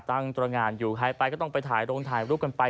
ตัวงานอยู่ใครไปก็ต้องไปถ่ายโรงถ่ายรูปกันไป